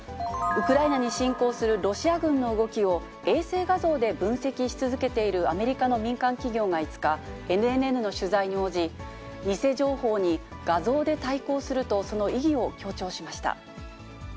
ウクライナに侵攻するロシア軍の動きを、衛星画像で分析し続けているアメリカの民間企業が５日、ＮＮＮの取材に応じ、偽情報に画像で対抗すると、その意義を強調しました。